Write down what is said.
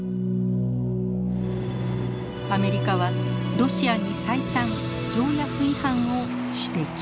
アメリカはロシアに再三条約違反を指摘。